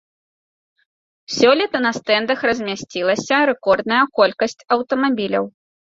Сёлета на стэндах размясцілася рэкордная колькасць аўтамабіляў.